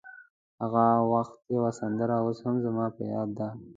د هغه وخت یوه سندره اوس هم زما په یاد ده.